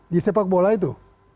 di sepak bola itu